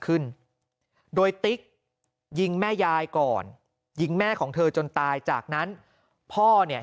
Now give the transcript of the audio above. ขึ้นโดยติ๊กยิงแม่ยายก่อนยิงแม่ของเธอจนตายจากนั้นพ่อเนี่ย